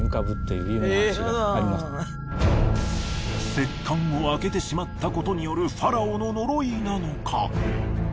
石棺を開けてしまったことによるファラオの呪いなのか？